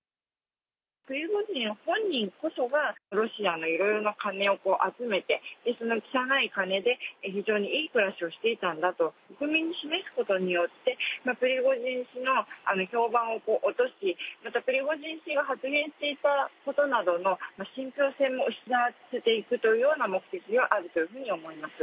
プリゴジン本人こそが、ロシアのいろいろな金を集めて、その汚い金で、非常にいい暮らしをしていたんだと示すことによって、プリゴジン氏の評判を落とし、また発言していたことなどの信ぴょう性も失わせていくというような目的があるというふうに思います。